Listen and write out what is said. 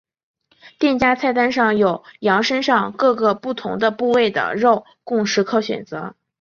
店家菜单上有羊身上各个不同的部位的肉供食客选择。